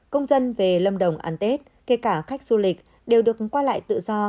công dân về lâm đồng ăn tết kể cả khách du lịch đều được qua lại tự do